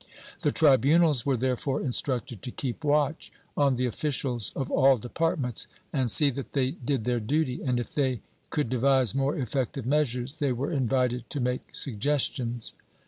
The tribunals were therefore instructed to keep watch on the officials of all departments and see that they did their duty and, if they could devise more effective measures, they were invited to make suggestions.